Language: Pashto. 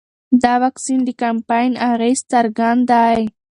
د واکسین د کمپاین اغېز څرګند دی.